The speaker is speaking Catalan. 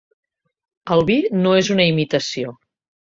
El vi no és una imitació.